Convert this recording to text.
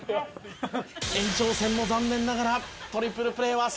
延長戦も残念ながらトリプルプレーは成功ならず。